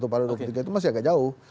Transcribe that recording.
kepala dua puluh tiga itu masih agak jauh